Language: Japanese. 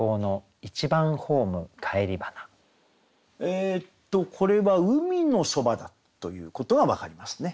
えっとこれは海のそばだということは分かりますね。